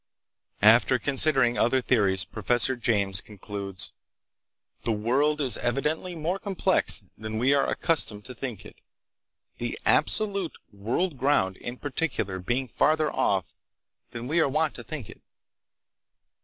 After considering other theories Professor James concludes: "The world is evidently more complex than we are accustomed to think it, the absolute 'world ground' in particular being farther off than we are wont to think it."